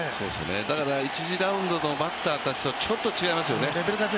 だから１次ラウンドのバッターたちとちょっと違いますよね。